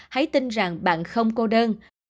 hãy tin rằng bạn không cô đơn